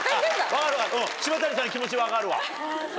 分かる分かる島谷さんの気持ち分かるわ。